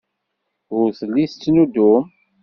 Ur telli tettnuddum.